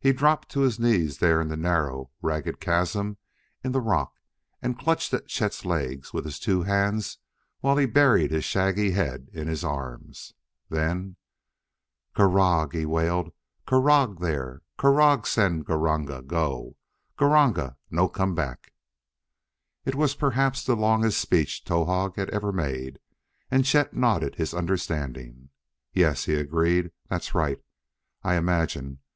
He dropped to his knees there in the narrow, ragged chasm in the rock and clutched at Chet's legs with his two hands while he buried his shaggy head in his arms. Then "Krargh!" he wailed; "Krargh there! Krargh send Gr r ranga go. Gr r ranga no come back!" It was perhaps the longest speech Towahg had ever made, and Chet nodded his understanding. "Yes," he agreed; "that's right. I imagine.